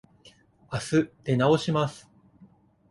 あす出直します。